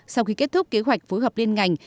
sau khi kết thúc kế hoạch phối hợp liên ngành